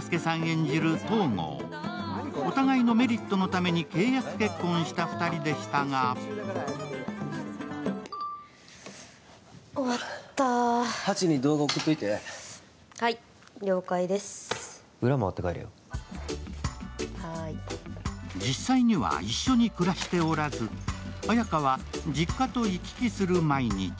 演じる東郷、お互いのメリットのために契約結婚した２人でしたが実際には一緒に暮らしておらず、綾華は実家と行き来する毎日。